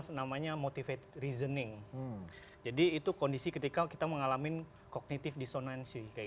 senamanya motivate reasoning jadi itu kondisi ketika kita mengalami kognitif disonansi kayak